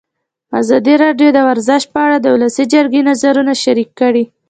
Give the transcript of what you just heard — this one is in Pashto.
ازادي راډیو د ورزش په اړه د ولسي جرګې نظرونه شریک کړي.